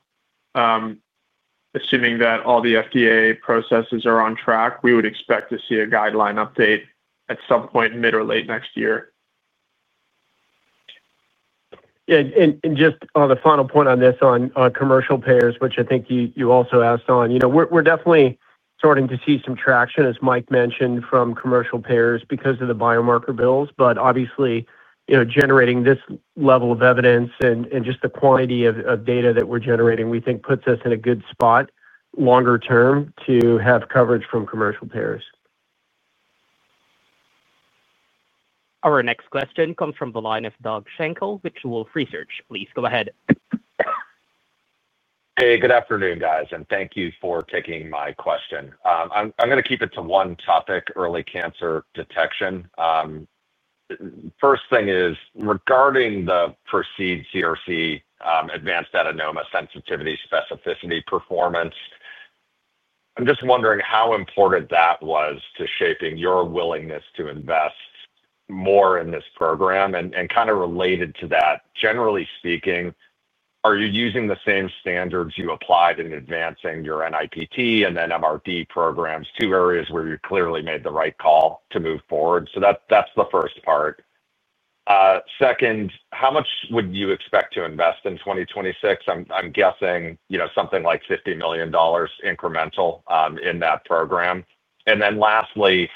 Assuming that all the FDA processes are on track, we would expect to see a guideline update at some point mid or late next year. Yeah. Just on the final point on this, on commercial payers, which I think you also asked on, we're definitely starting to see some traction, as Mike mentioned, from commercial payers because of the biomarker bills. Obviously, generating this level of evidence and just the quantity of data that we're generating, we think puts us in a good spot longer-term to have coverage from commercial payers. Our next question comes from the line of Doug Schenkel, with Wolfe Research. Please go ahead. Hey. Good afternoon, guys. Thank you for taking my question. I'm going to keep it to one topic, early cancer detection. First thing is, regarding the PROCEED-CRC advanced adenoma sensitivity specificity performance. I'm just wondering how important that was to shaping your willingness to invest more in this program. Kind of related to that, generally speaking, are you using the same standards you applied in advancing your NIPT and then MRD programs, two areas where you clearly made the right call to move forward? That is the first part. Second, how much would you expect to invest in 2026? I'm guessing something like $50 million incremental in that program. Lastly,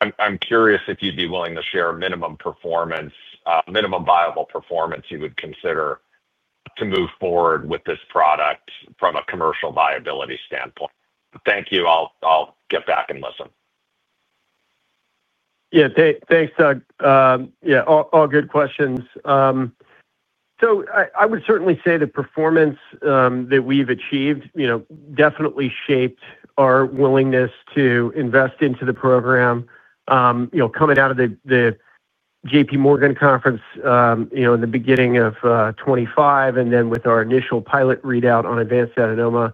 I'm curious if you'd be willing to share minimum viable performance you would consider to move forward with this product from a commercial viability standpoint. Thank you. I'll get back and listen. Yeah. Thanks, Doug. Yeah. All good questions. I would certainly say the performance that we've achieved definitely shaped our willingness to invest into the program. Coming out of the JPMorgan conference in the beginning of 2025 and then with our initial pilot readout on advanced adenoma.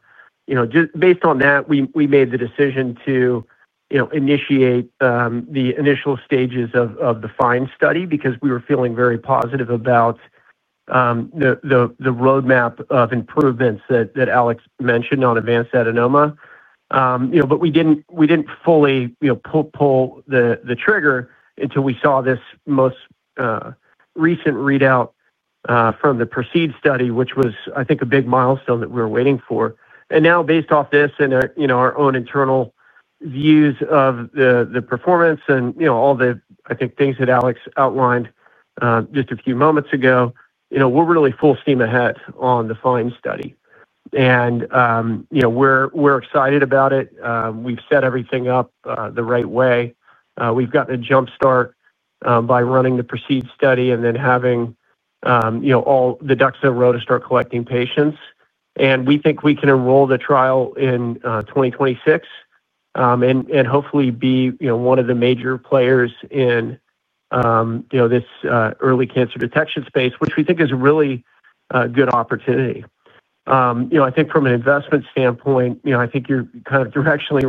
Based on that, we made the decision to initiate the initial stages of the FIND study because we were feeling very positive about the roadmap of improvements that Alex mentioned on advanced adenoma. We did not fully pull the trigger until we saw this most recent readout from the PROCEED study, which was, I think, a big milestone that we were waiting for. Now, based off this and our own internal views of the performance and all the, I think, things that Alex outlined just a few moments ago, we are really full steam ahead on the FIND study. We are excited about it. We have set everything up the right way. We have gotten a jumpstart by running the PROCEED study and then having all the ducks in a row to start collecting patients. We think we can enroll the trial in 2026. Hopefully be one of the major players in this early cancer detection space, which we think is a really good opportunity. I think from an investment standpoint, I think you're kind of directionally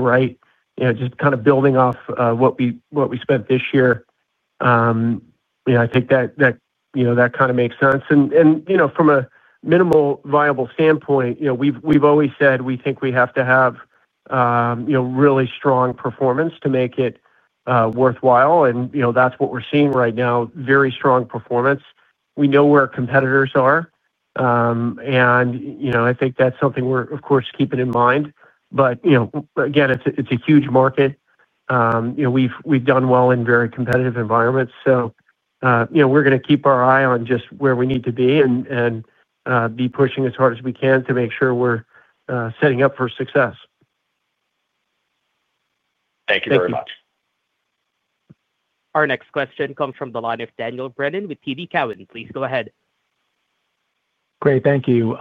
right, just kind of building off what we spent this year. I think that kind of makes sense. From a minimal viable standpoint, we've always said we think we have to have really strong performance to make it worthwhile. That's what we're seeing right now, very strong performance. We know where our competitors are. I think that's something we're, of course, keeping in mind. It is a huge market. We've done well in very competitive environments. We're going to keep our eye on just where we need to be and be pushing as hard as we can to make sure we're setting up for success. Thank you very much. Our next question comes from the line of Daniel Brennan with TD Cowen. Please go ahead. Great. Thank you.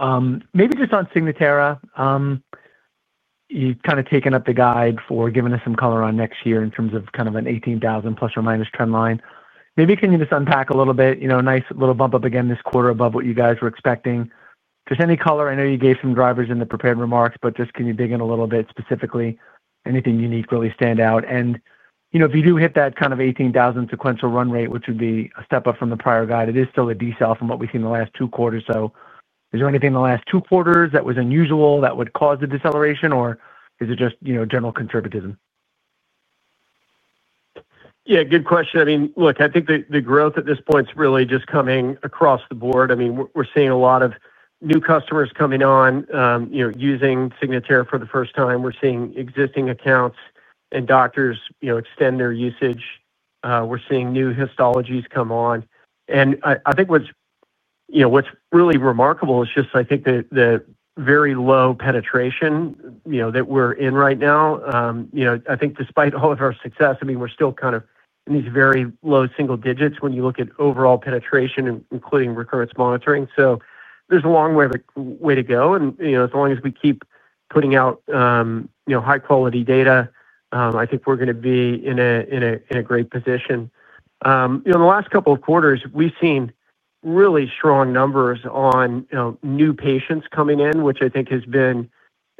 Maybe just on Signatera. You've kind of taken up the guide for giving us some color on next year in terms of kind of an 18,000-plus or minus trend line. Maybe can you just unpack a little bit? Nice little bump up again this quarter above what you guys were expecting. Just any color? I know you gave some drivers in the prepared remarks, but just can you dig in a little bit specifically? Anything unique really stand out? And if you do hit that kind of 18,000 sequential run rate, which would be a step up from the prior guide, it is still a decel from what we've seen the last two quarters or so. Is there anything in the last two quarters that was unusual that would cause the deceleration, or is it just general conservatism? Yeah. Good question. I mean, look, I think the growth at this point is really just coming across the board. I mean, we're seeing a lot of new customers coming on. Using Signatera for the first time. We're seeing existing accounts and doctors extend their usage. We're seeing new histologies come on. I think what's really remarkable is just, I think, the very low penetration that we're in right now. I think despite all of our success, I mean, we're still kind of in these very low single digits when you look at overall penetration, including recurrence monitoring. There is a long way to go. As long as we keep putting out high-quality data, I think we're going to be in a great position. In the last couple of quarters, we've seen really strong numbers on new patients coming in, which I think has been,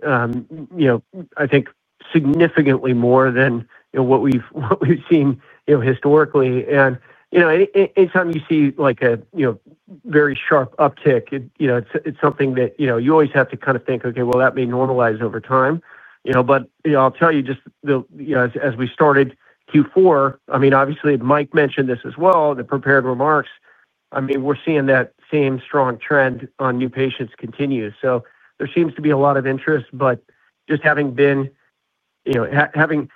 I think, significantly more than what we've seen historically. Anytime you see a very sharp uptick, it's something that you always have to kind of think, "Okay. That may normalize over time." I'll tell you, just as we started Q4, I mean, obviously, Mike mentioned this as well, the prepared remarks. I mean, we're seeing that same strong trend on new patients continue. There seems to be a lot of interest. Just having been, having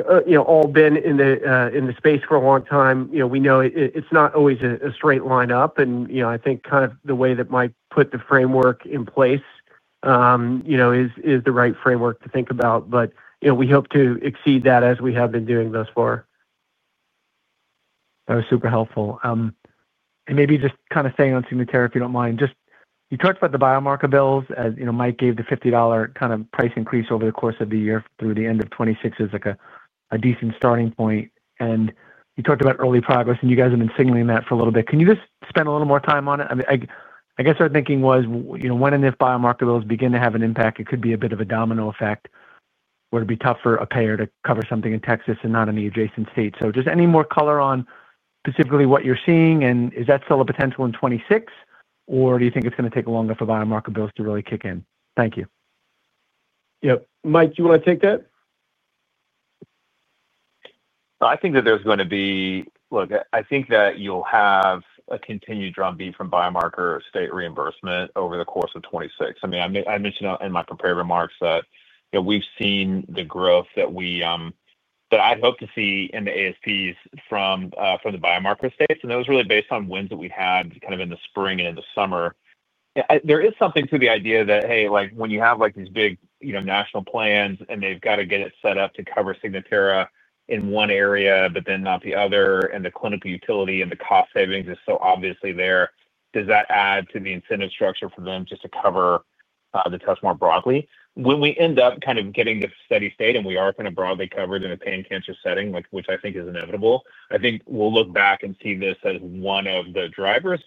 all been in the space for a long time, we know it's not always a straight line up. I think kind of the way that Mike put the framework in place is the right framework to think about. We hope to exceed that as we have been doing thus far. That was super helpful. Maybe just kind of staying on Signatera, if you do not mind. You talked about the biomarker bills. Mike gave the $50 kind of price increase over the course of the year through the end of 2026 as a decent starting point. You talked about early progress, and you guys have been signaling that for a little bit. Can you just spend a little more time on it? I guess our thinking was, when and if biomarker bills begin to have an impact, it could be a bit of a domino effect. It would be tough for a payer to cover something in Texas and not in the adjacent state. Just any more color on specifically what you're seeing, and is that still a potential in 2026, or do you think it's going to take longer for biomarker bills to really kick in? Thank you. Yep. Mike, do you want to take that? I think that there's going to be, look, I think that you'll have a continued drumbeat from biomarker state reimbursement over the course of 2026. I mean, I mentioned in my prepared remarks that we've seen the growth that I'd hope to see in the ASPs from the biomarker states. And that was really based on wins that we had kind of in the spring and in the summer. There is something to the idea that, hey, when you have these big national plans and they've got to get it set up to cover Signatera in one area but then not the other, and the clinical utility and the cost savings is so obviously there, does that add to the incentive structure for them just to cover the test more broadly? When we end up kind of getting to steady state and we are kind of broadly covered in a pan-cancer setting, which I think is inevitable, I think we'll look back and see this as one of the drivers.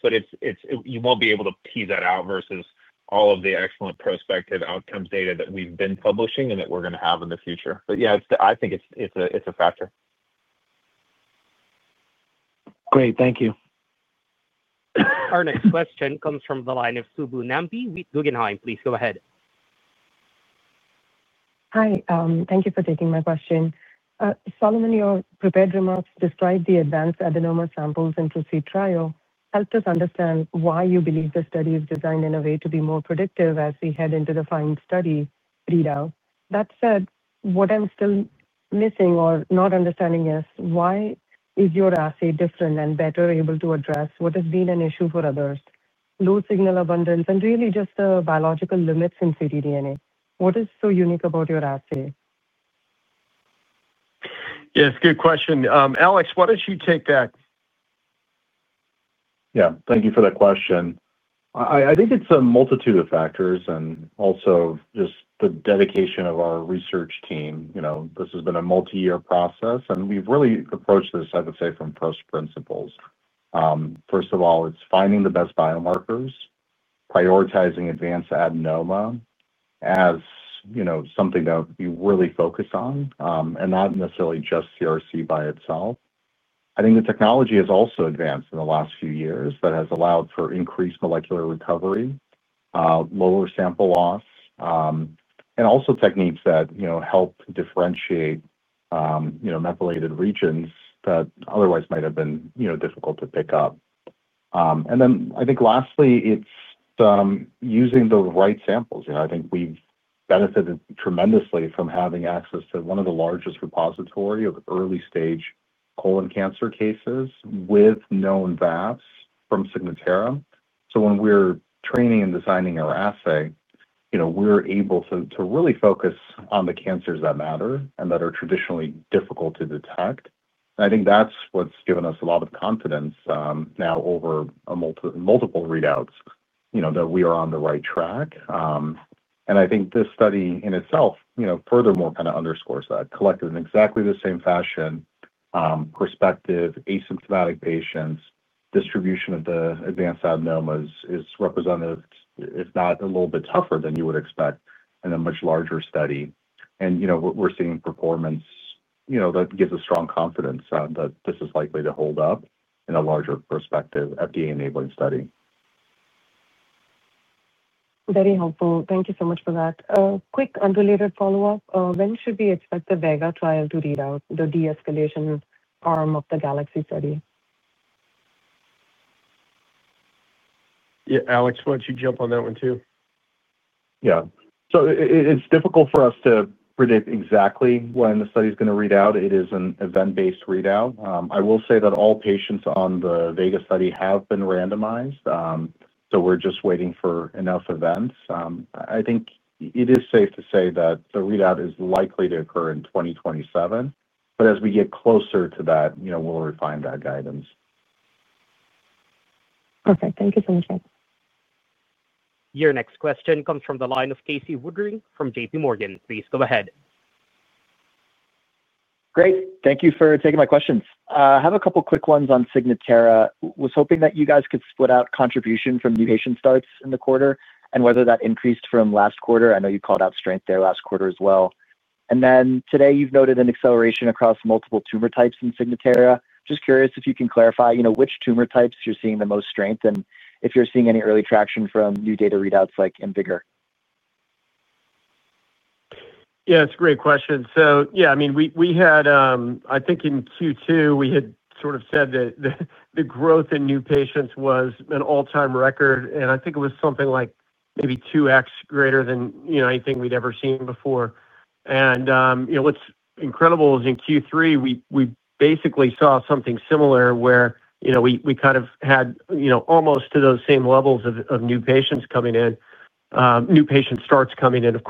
You won't be able to tease that out versus all of the excellent prospective outcomes data that we've been publishing and that we're going to have in the future. Yeah, I think it's a factor. Great. Thank you. Our next question comes from the line of Subbu Nambi with Guggenheim. Please go ahead. Hi. Thank you for taking my question. Solomon, your prepared remarks describe the advanced adenoma samples in PROCEED trial helped us understand why you believe the study is designed in a way to be more predictive as we head into the FIND study readout. That said, what I'm still missing or not understanding is why is your assay different and better able to address what has been an issue for others? Low signal abundance and really just the biological limits in ctDNA. What is so unique about your assay? Yes. Good question. Alex, why don't you take that? Yeah. Thank you for that question. I think it's a multitude of factors and also just the dedication of our research team. This has been a multi-year process, and we've really approached this, I would say, from first principles. First of all, it's finding the best biomarkers, prioritizing advanced adenoma as something that we really focus on, and not necessarily just CRC by itself. I think the technology has also advanced in the last few years that has allowed for increased molecular recovery, lower sample loss, and also techniques that help differentiate methylated regions that otherwise might have been difficult to pick up. I think lastly, it's using the right samples. I think we've benefited tremendously from having access to one of the largest repository of early-stage colon cancer cases with known VAFs from Signatera. When we're training and designing our assay, we're able to really focus on the cancers that matter and that are traditionally difficult to detect. I think that's what's given us a lot of confidence now over multiple readouts that we are on the right track. I think this study in itself furthermore kind of underscores that. Collected in exactly the same fashion. Prospective asymptomatic patients, distribution of the advanced adenomas is representative, if not a little bit tougher than you would expect in a much larger study. We're seeing performance that gives us strong confidence that this is likely to hold up in a larger prospective FDA-enabling study. Very helpful. Thank you so much for that. A quick unrelated follow-up. When should we expect the VEGA trial to readout, the de-escalation arm of the GALAXY study? Yeah. Alex, why don't you jump on that one too? Yeah. It is difficult for us to predict exactly when the study is going to readout. It is an event-based readout. I will say that all patients on the VEGA study have been randomized. So we're just waiting for enough events. I think it is safe to say that the readout is likely to occur in 2027. But as we get closer to that, we'll refine that guidance. Okay. Thank you so much, guys. Your next question comes from the line of Casey Woodring from JPMorgan. Please go ahead. Great. Thank you for taking my questions. I have a couple of quick ones on Signatera. I was hoping that you guys could split out contribution from new patient starts in the quarter and whether that increased from last quarter. I know you called out strength there last quarter as well. And then today, you've noted an acceleration across multiple tumor types in Signatera. Just curious if you can clarify which tumor types you're seeing the most strength and if you're seeing any early traction from new data readouts like IMvigor. Yeah. It's a great question. Yeah, I mean, I think in Q2, we had sort of said that the growth in new patients was an all-time record. I think it was something like maybe 2X greater than anything we'd ever seen before. What's incredible is in Q3, we basically saw something similar where we kind of had almost to those same levels of new patients coming in. New patient starts coming in. Of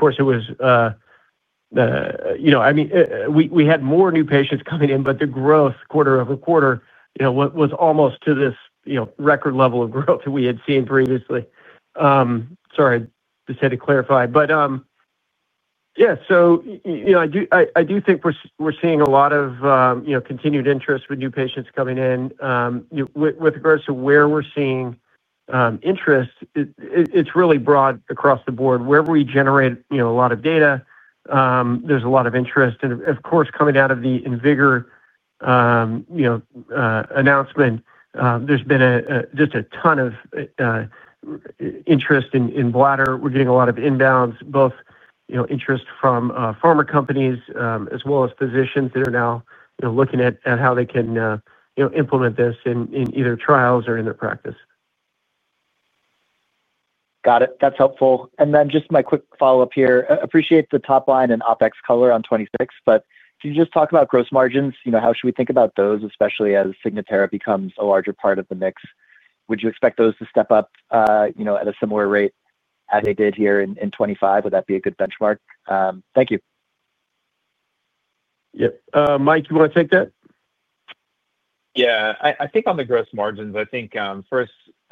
course, it was. I mean, we had more new patients coming in, but the growth quarter-over-quarter was almost to this record level of growth that we had seen previously. Sorry, just had to clarify. Yeah. I do think we're seeing a lot of. Continued interest with new patients coming in. With regards to where we're seeing interest, it's really broad across the board. Wherever we generate a lot of data, there's a lot of interest. Of course, coming out of the IMvigor announcement, there's been just a ton of interest in bladder. We're getting a lot of inbounds, both interest from pharma companies as well as physicians that are now looking at how they can implement this in either trials or in their practice. Got it. That's helpful. Then just my quick follow-up here. I appreciate the top line and OPEX color on 2026, but can you just talk about gross margins? How should we think about those, especially as Signatera becomes a larger part of the mix? Would you expect those to step up at a similar rate as they did here in 2025? Would that be a good benchmark? Thank you. Yep. Mike, you want to take that? Yeah. I think on the gross margins, I think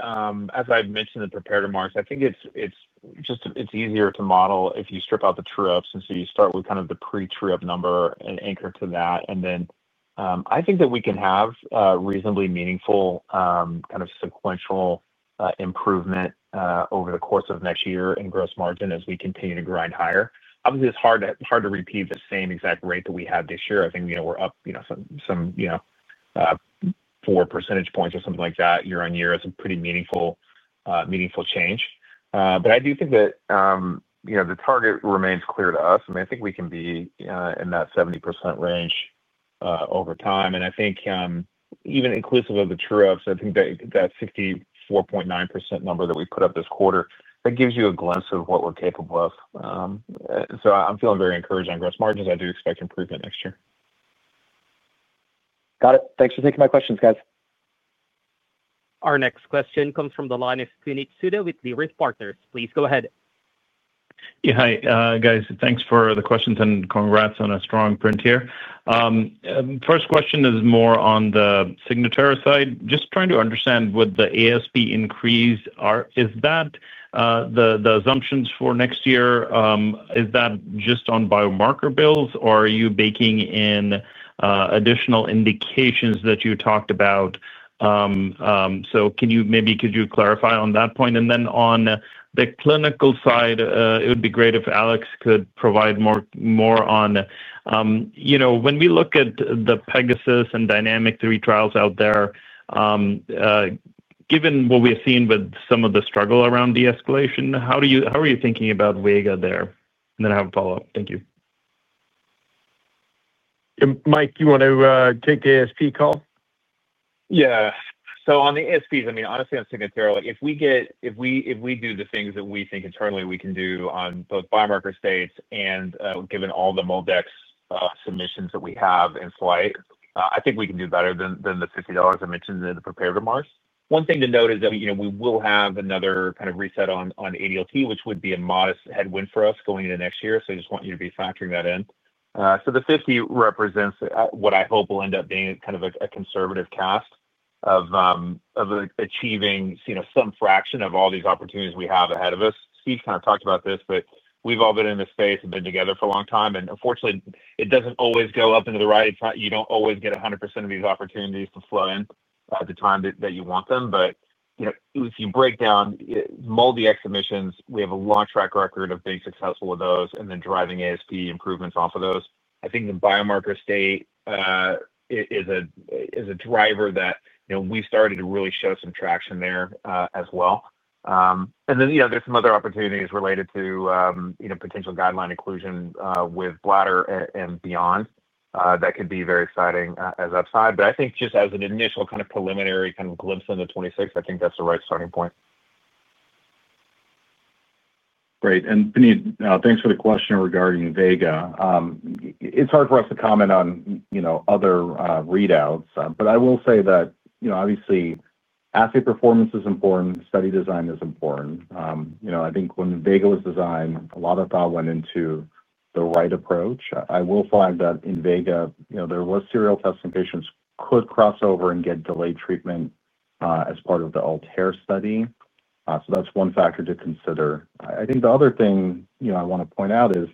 first, as I've mentioned in the prepared remarks, I think it's easier to model if you strip out the true-ups. You start with kind of the pre-true-up number and anchor to that. I think that we can have reasonably meaningful kind of sequential improvement over the course of next year in gross margin as we continue to grind higher. Obviously, it's hard to repeat the same exact rate that we had this year. I think we're up some 4 percentage points or something like that year-on-year. It's a pretty meaningful change. I do think that the target remains clear to us. I mean, I think we can be in that 70% range over time. I think even inclusive of the true-ups, I think that 64.9% number that we put up this quarter, that gives you a glimpse of what we're capable of. I'm feeling very encouraged on gross margins. I do expect improvement next year. Got it. Thanks for taking my questions, guys. Our next question comes from the line of Puneet Souda with Leerink Partners. Please go ahead. Yeah. Hi, guys. Thanks for the questions and congrats on a strong print here. First question is more on the Signatera side. Just trying to understand what the ASP increase is. The assumptions for next year, is that just on biomarker bills, or are you baking in additional indications that you talked about? Maybe could you clarify on that point? And then on the clinical side, it would be great if Alex could provide more on. When we look at the PEGASUS and DYNAMIC-III trials out there. Given what we have seen with some of the struggle around de-escalation, how are you thinking about VEGA there? And then I have a follow-up. Thank you. Mike, do you want to take the ASP call? Yeah. On the ASPs, I mean, honestly, on Signatera, if we do the things that we think internally we can do on both biomarker states and given all the MolDX submissions that we have in flight, I think we can do better than the $50 I mentioned in the prepared remarks. One thing to note is that we will have another kind of reset on ADLT, which would be a modest headwind for us going into next year. I just want you to be factoring that in. The 50 represents what I hope will end up being kind of a conservative cast of achieving some fraction of all these opportunities we have ahead of us. Steve kind of talked about this, but we've all been in this space and been together for a long time. Unfortunately, it doesn't always go up and to the right. You don't always get 100% of these opportunities to flow in at the time that you want them. If you break down MolDX submissions, we have a long track record of being successful with those and then driving ASP improvements off of those. I think the biomarker state is a driver that we started to really show some traction there as well. There are some other opportunities related to potential guideline inclusion with bladder and beyond that could be very exciting as upside. I think just as an initial kind of preliminary kind of glimpse into 2026, I think that's the right starting point. Great. And Puneet, thanks for the question regarding VEGA. It's hard for us to comment on other readouts. I will say that, obviously, assay performance is important. Study design is important. I think when VEGA was designed, a lot of thought went into the right approach. I will find that in VEGA, there was serial testing, patients could cross over and get delayed treatment as part of the Altair study. That's one factor to consider. I think the other thing I want to point out is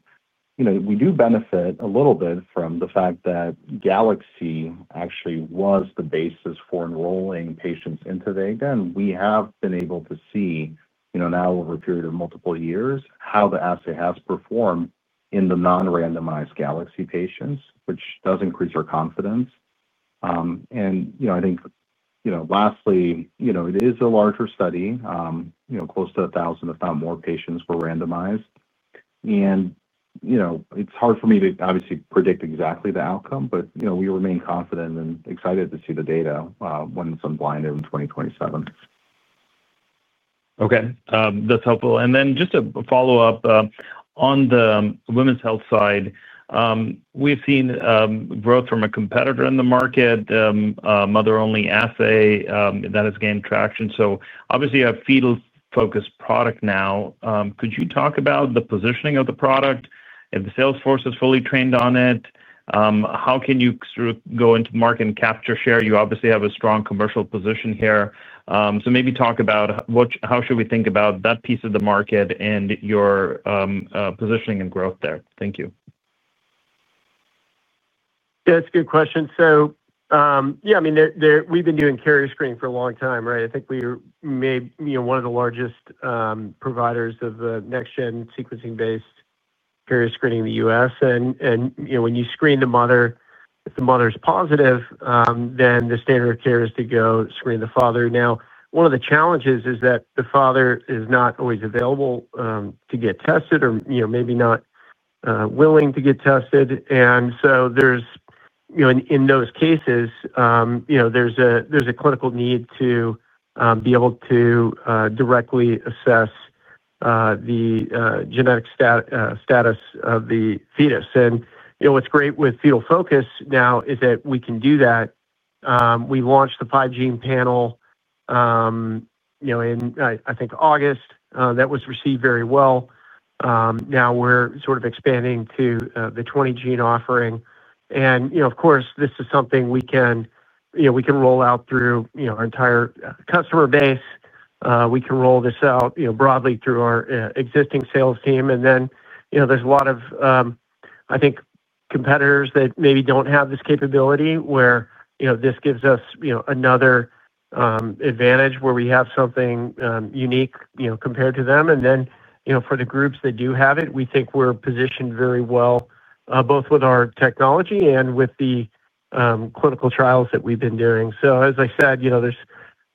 we do benefit a little bit from the fact that GALAXY actually was the basis for enrolling patients into VEGA. We have been able to see now over a period of multiple years how the assay has performed in the non-randomized GALAXY patients, which does increase our confidence. I think, lastly, it is a larger study. Close to 1,000, if not more, patients were randomized. It's hard for me to obviously predict exactly the outcome, but we remain confident and excited to see the data when it's unblinded. 2027. Okay. That's helpful. Just a follow-up. On the women's health side, we've seen growth from a competitor in the market. Mother-only assay that has gained traction. You have a Fetal Focus product now. Could you talk about the positioning of the product? If the salesforce is fully trained on it. How can you sort of go into market and capture share? You obviously have a strong commercial position here. Maybe talk about how should we think about that piece of the market and your positioning and growth there. Thank you. That's a good question. Yeah, I mean, we've been doing carrier screening for a long time, right? I think we are one of the largest providers of the next-gen sequencing-based carrier screening in the US. When you screen the mother, if the mother's positive, then the standard of care is to go screen the father. Now, one of the challenges is that the father is not always available to get tested or maybe not willing to get tested. In those cases, there's a clinical need to be able to directly assess the genetic status of the fetus. What's great with Fetal Focus now is that we can do that. We launched the five-gene panel in, I think, August. That was received very well. Now we're sort of expanding to the 20-gene offering. Of course, this is something we can roll out through our entire customer base. We can roll this out broadly through our existing sales team. There is a lot of, I think, competitors that maybe do not have this capability where this gives us another advantage where we have something unique compared to them. For the groups that do have it, we think we're positioned very well, both with our technology and with the clinical trials that we've been doing. As I said, there have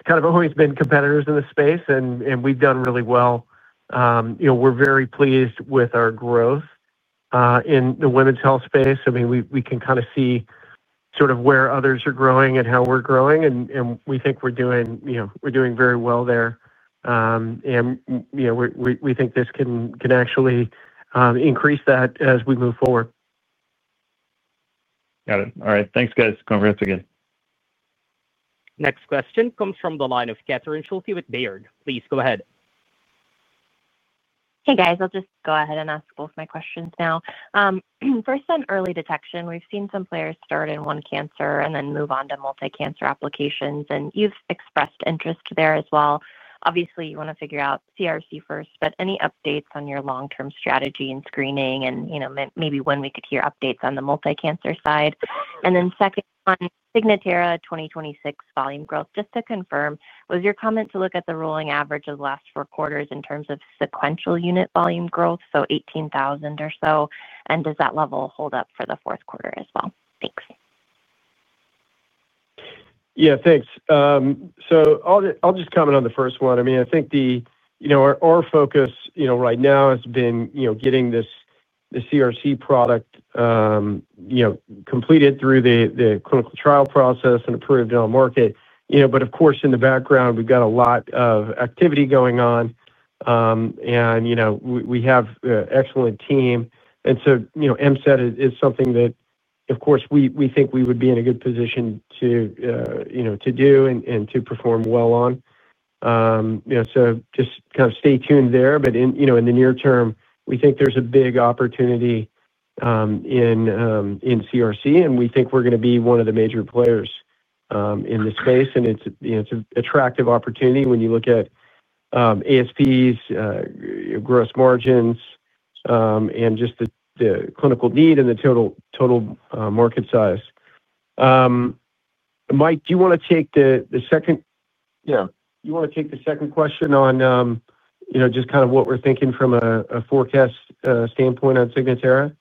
kind of always been competitors in the space, and we've done really well. We're very pleased with our growth in the women's health space. I mean, we can kind of see where others are growing and how we're growing, and we think we're doing very well there. We think this can actually increase that as we move forward. Got it. All right. Thanks, guys. Congrats again. Next question comes from the line of Catherine Schulte with Baird. Please go ahead. Hey, guys. I'll just go ahead and ask both my questions now. First, on early detection, we've seen some players start in one cancer and then move on to multi-cancer applications. And you've expressed interest there as well. Obviously, you want to figure out CRC first, but any updates on your long-term strategy and screening and maybe when we could hear updates on the multi-cancer side? And then second on Signatera 2026 volume growth, just to confirm, was your comment to look at the rolling average of the last four quarters in terms of sequential unit volume growth, so 18,000 or so? And does that level hold up for the fourth quarter as well? Thanks. Yeah. Thanks. I'll just comment on the first one. I mean, I think our focus right now has been getting this CRC product completed through the clinical trial process and approved in our market. Of course, in the background, we've got a lot of activity going on, and we have an excellent team. MSET is something that, of course, we think we would be in a good position to do and to perform well on. Just kind of stay tuned there. In the near term, we think there's a big opportunity in CRC, and we think we're going to be one of the major players in this space. It's an attractive opportunity when you look at ASPs, gross margins, and just the clinical need and the total market size. Mike, do you want to take the second? You want to take the second question on. Just kind of what we're thinking from a forecast standpoint on Signatera?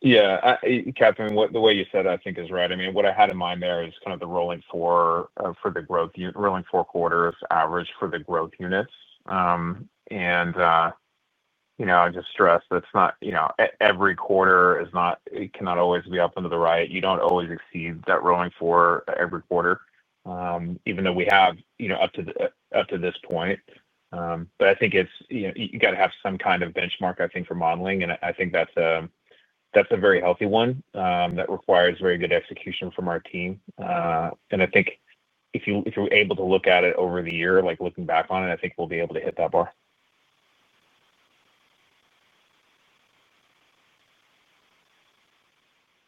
Yeah. Catherine, the way you said it, I think, is right. I mean, what I had in mind there is kind of the rolling four for the growth, rolling four quarters average for the growth units. I just stress that every quarter cannot always be up and to the right. You do not always exceed that rolling four every quarter, even though we have up to this point. I think you have to have some kind of benchmark, I think, for modeling. I think that is a very healthy one that requires very good execution from our team. I think if you are able to look at it over the year, looking back on it, I think we will be able to hit that bar.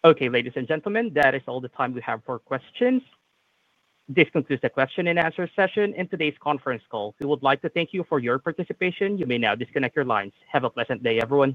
Okay, ladies and gentlemen, that is all the time we have for questions. This concludes the question and answer session in today's conference call. We would like to thank you for your participation. You may now disconnect your lines. Have a pleasant day, everyone.